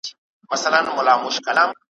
سړي وویل زما هغه ورځ یادیږي ,